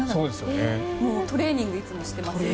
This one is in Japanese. もう、トレーニングをいつもしています。